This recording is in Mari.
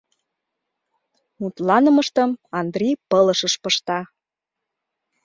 Мутланымыштым Андрий пылышыш пышта.